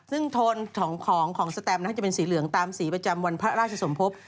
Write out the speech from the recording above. ซึ่งโทนของสแตมจะเป็นสีเหลืองตามสีประจำวันพระราชสมภพ